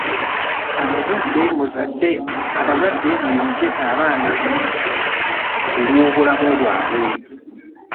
Anazadde muyonje abaana kulwobulamu bwabwe .